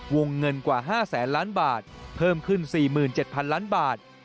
วงเงินกว่า๕แสนล้านบาทเพิ่มขึ้น๔๗๐๐ล้านบาท